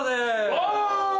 お！